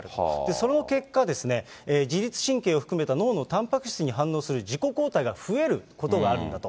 その結果、自律神経を含めた脳のタンパク質に反応する自己抗体が増えることがあるんだと。